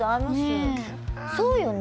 そうよね。